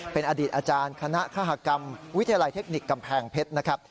เป็นอดีตอาจารย์คณะฆากรรมวิทยาลัยเทคนิคกำแพงเพชรนะครับ